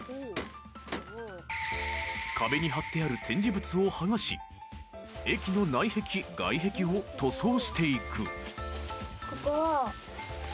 ［壁に張ってある展示物を剥がし駅の内壁外壁を塗装していく］